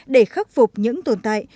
để khắc phục những tồn tại